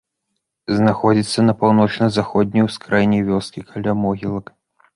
Знаходзіцца на паўночна-заходняй ускраіне вёскі, каля могілак.